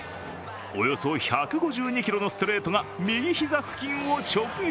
およそ１５２キロのストレートが右膝付近を直撃。